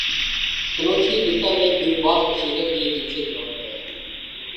تنوشری دتہ نے بگ باس میں شرکت کیلئے جنسی الزامات لگائے